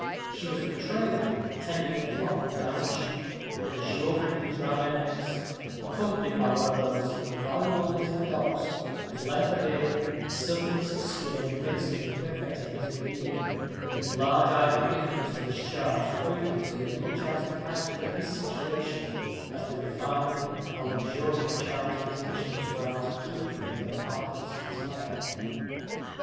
She was portrayed tending a flock of downy sheep, with azure ribbons round their necks, accompanied by one of those invaluable little dogs whose length of ear and silkiness of skin evinced him perfect in his breeding, but whose large eyed indifference to his charge proved him to be as much out of character with his situation as the refined and luxuriant charms of his mistress were out of keeping with her artless attire.